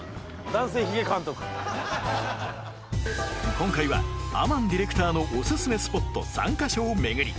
今回はアマンディレクターのオススメスポット３カ所を巡り